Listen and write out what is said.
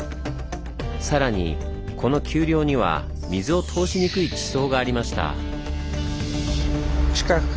さらにこの丘陵には水を通しにくい地層がありました。